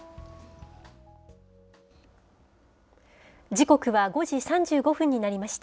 時刻は５時３５分になりました。